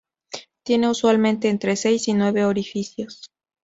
Tiene usualmente entre seis y nueve orificios.